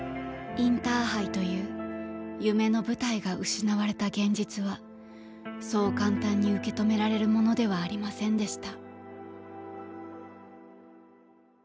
インターハイという夢の舞台が失われた現実はそう簡単に受け止められるものではありませんでした。